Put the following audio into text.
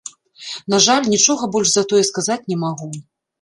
На жаль, нічога больш за тое сказаць не магу.